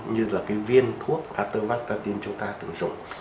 như là cái viên thuốc atovastatin chúng ta tự dùng